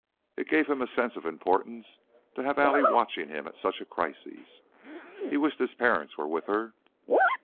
It gave him a sense of importance to have Allie watching him at such a crisis; he wished his parents were with her.